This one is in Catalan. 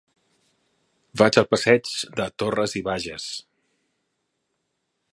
Vaig al passeig de Torras i Bages.